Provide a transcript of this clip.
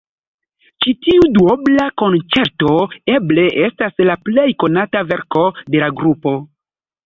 Ĉi tiu duobla konĉerto eble estas la plej konata verko de la grupo.